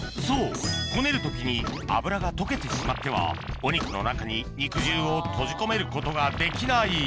そうこねる時に脂が溶けてしまってはお肉の中に肉汁を閉じ込めることができない